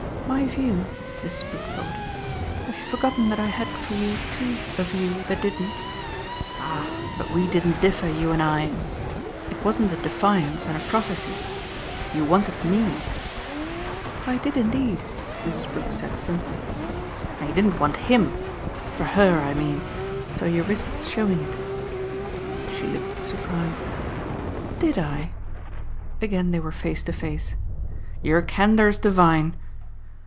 "My view?" Mrs. Brook thought. "Have you forgotten that I had for you too a view that didn't?" "Ah but we didn't differ, you and I. It wasn't a defiance and a prophecy. You wanted ME." "I did indeed!" Mrs. Brook said simply. "And you didn't want him. For HER, I mean. So you risked showing it." She looked surprised. "DID I?" Again they were face to face. "Your candour's divine!"